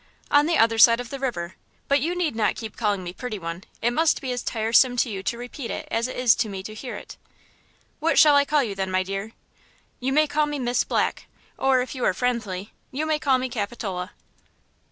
"On the other side of the river. But you need not keep calling me 'pretty one; 'it must be as tiresome to you to repeat it as it is to me to hear it." "What shall I call you, then, my dear?" "You may call me Miss Black; or, if you are friendly, you may call me Capitola."